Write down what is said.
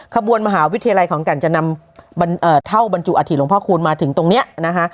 ขบวนมหาวิทยาลัยขอนแก่นจะนำเท่าบรรจุอาธิหลวงพ่อคูณมาถึงตรงนี้นะคะ